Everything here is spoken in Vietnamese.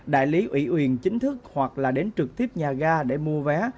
đại lý ủy uyền chính thức hoặc là đến trực tiếp nhà gà để mua vé